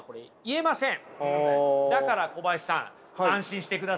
だから小林さん安心してください。